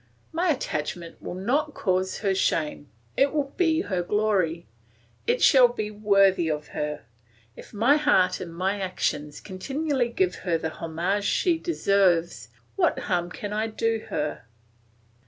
My attachment will not cause her shame, it will be her glory, it shall be worthy of her. If my heart and my actions continually give her the homage she deserves, what harm can I do her?"